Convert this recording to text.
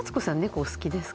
お好きですか？